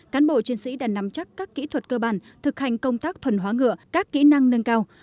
cán bộ chiến sĩ đã nắm chắc các kỹ thuật cơ bản thực hành công tác thuần hóa ngựa các kỹ năng nâng cao